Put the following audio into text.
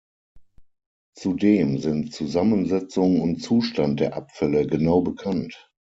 Zudem sind Zusammensetzung und Zustand der Abfälle genau bekannt.